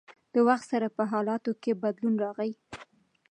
د وخت سره په حالاتو کښې بدلون راغی